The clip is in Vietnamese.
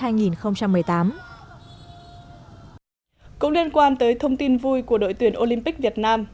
cũng liên quan tới thông tin vui của đội tuyển olympic việt nam